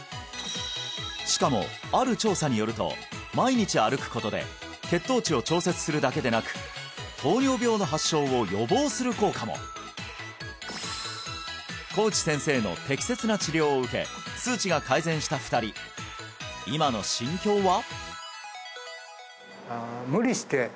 しかもある調査によると毎日歩くことで血糖値を調節するだけでなく糖尿病の発症を予防する効果も小内先生の適切な治療を受け数値が改善した２人今の心境は？